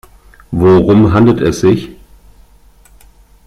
Worum handelt es sich?